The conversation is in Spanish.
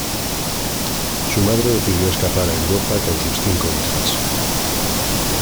Su madre decidió escapar a Europa con sus cinco hijas.